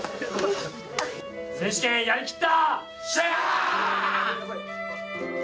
選手権やりきった！